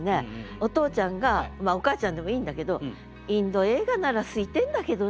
お父ちゃんがお母ちゃんでもいいんだけど「インド映画なら空いてんだけどな」。